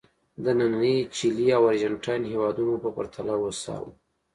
د نننۍ چیلي او ارجنټاین هېوادونو په پرتله هوسا وو.